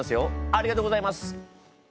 ありがとうございます！